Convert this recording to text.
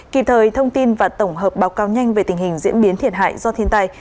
kịp thời thông tin và tổng hợp báo cáo nhanh về tình hình diễn biến thiệt hại do thiên tai